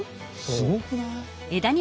すごくない？